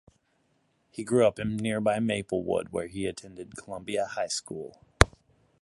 He grew up in nearby Maplewood, where he attended Columbia High School.